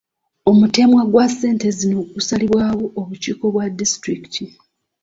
Omutemwa gwa ssente zino gusalibwawo obukiiko bwa disitulikiti.